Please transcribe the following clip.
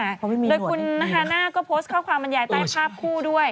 เพราะไม่มีหนวดอันนี้เหรอคะแล้วก็โพสต์ข้อความบรรยายใต้ภาพคู่ด้วย